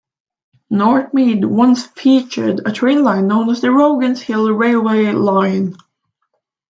Northmead once featured a train line known as the Rogans Hill railway line.